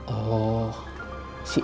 oh si intan